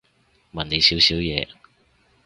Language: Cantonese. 問你少少嘢